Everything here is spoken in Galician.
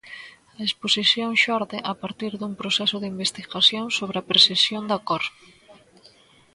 A exposición xorde a partir dun proceso de investigación sobre a percepción da cor.